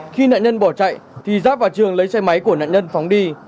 khi nạn nhân bỏ chạy giáp và trường lấy xe máy của nạn nhân phóng đi